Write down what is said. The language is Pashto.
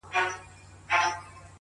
يو څه ښيښې ښې دي يو څه گراني تصوير ښه دی